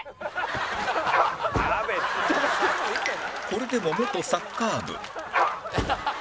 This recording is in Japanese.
これでも元サッカー部